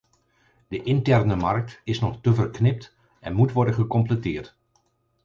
De interne markt is nog te verknipt en moet worden gecompleteerd.